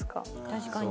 確かに。